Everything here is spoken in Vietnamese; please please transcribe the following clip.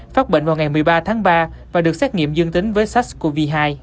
phát bệnh vào ngày một mươi ba tháng ba và được xét nghiệm dương tính với sars cov hai